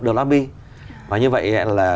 được lobby và như vậy là